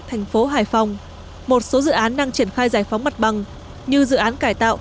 thành phố hải phòng một số dự án đang triển khai giải phóng mặt bằng như dự án cải tạo